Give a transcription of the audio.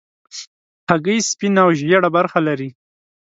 هګۍ سپینه او ژېړه برخه لري.